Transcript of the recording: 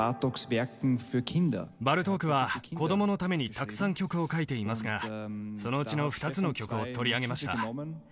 バルトークは子供のためにたくさん曲を書いていますがそのうちの２つの曲を取り上げました。